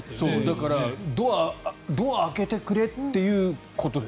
だからドアを開けてくれってことです。